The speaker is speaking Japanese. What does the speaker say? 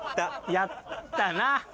やったな。